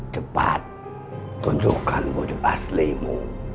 cepat tunjukkan wujud aslimu